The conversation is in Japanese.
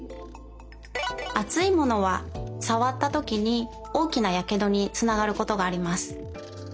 あついものはさわったときにおおきなやけどにつながることがあります。